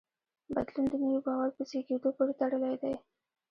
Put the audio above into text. بدلون د نوي باور په زېږېدو پورې تړلی دی.